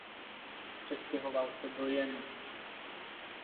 Přestěhoval se do Jeny.